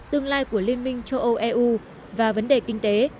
tương lai của liên minh châu âu eu và vấn đề kinh tế